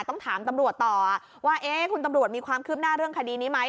ต้องถามตำรวจต่อว่าคุณตำรวจมีความคืบหน้าเรื่องคดีนี้ไหม